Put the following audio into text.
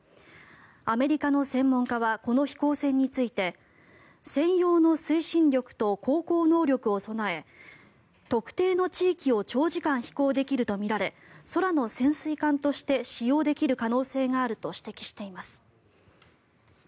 アメリカの専門家はこの飛行船について専用の推進力と航行能力を備え特定の地域を長時間飛行できるとみられ空の潜水艦として使用できる可能性があると指摘しています。